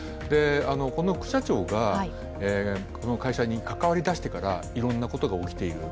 この副社長がこの会社に関わり出してからいろんなことが起きている。